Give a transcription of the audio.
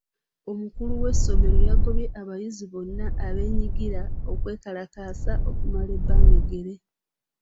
Omukulu w'essomero yagobye abayizi bonna abeenyigira kwekalakaasa okumala ebbanga eggere.